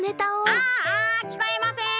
ああ聞こえません！